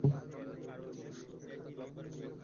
বলিল, এমন হবে ভাবিনি ছোটবাবু।